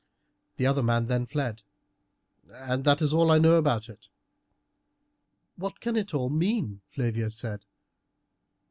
The other man then fled this is all I know about it." "What can it all mean?" Flavia said.